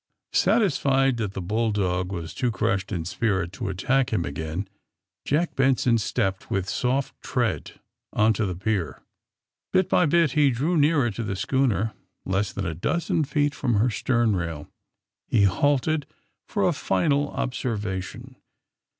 Satisfied that the bull dog was too crushed in spirit to attack him ^again, Jack Benson stepped with soft tread on to the pier. Bit by bit he drew nearer to the schooner. Less than a dozen feet from her stern rail he halted for a final observation.